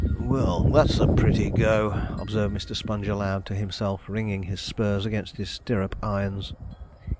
'Well, that's a pretty go,' observed Mr. Sponge aloud to himself, ringing his spurs against his stirrup irons.